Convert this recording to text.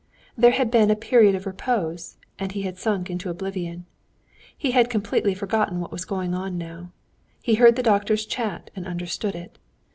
There had been a period of repose, and he had sunk into oblivion. He had completely forgotten what was going on now. He heard the doctor's chat and understood it.